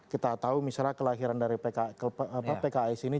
kita tahu misalnya kelahiran dari pks ini